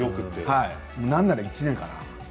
何なら１年かな？